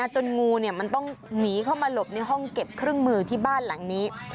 จนงูมันต้องหนีเข้ามาหลบในห้องเก็บเครื่องมือที่บ้านหลังนี้